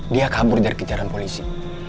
dia kabur dari kejaran polisi